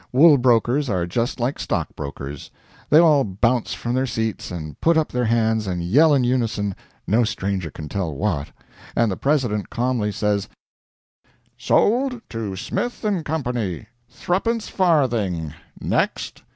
Wool brokers are just like stockbrokers; they all bounce from their seats and put up their hands and yell in unison no stranger can tell what and the president calmly says "Sold to Smith & Co., threpence farthing next!"